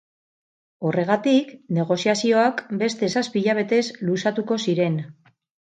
Horregatik, negoziazioak beste zazpi hilabetez luzatuko ziren.